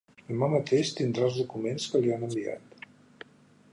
Demà mateix tindrà els documents que li han enviat.